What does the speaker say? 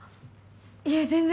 いえ全然！